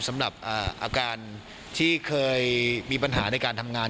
สำหรับอาการที่เคยมีปัญหาในการทำงาน